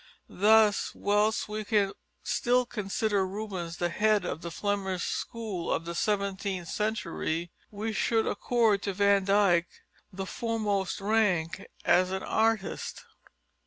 Thus, whilst we can still consider Rubens the head of the Flemish school of the seventeenth century, we should accord to Van Dyck the foremost rank as an artist.